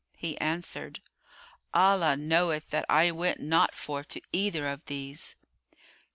He answered, "Allah knoweth that I went not forth to either of these."